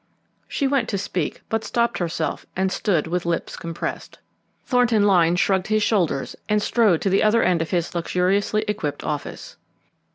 She went to speak, but stopped herself and stood with lips compressed. Thornton Lyne shrugged his shoulders and strode to the other end of his luxuriously equipped office.